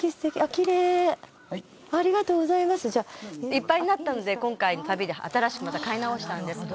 「いっぱいになったので今回の旅で新しくまた買い直したんですけど」